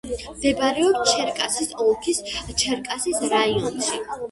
მდებარეობს ჩერკასის ოლქის ჩერკასის რაიონში.